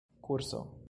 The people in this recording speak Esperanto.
kurso